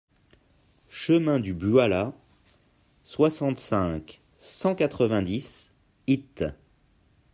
Chemin du Buala, soixante-cinq, cent quatre-vingt-dix Hitte